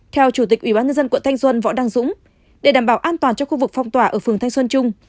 theo chủ tịch ubnd quận thanh xuân võ đăng dũng để đảm bảo an toàn cho khu vực phong tỏa ở phường thanh xuân trung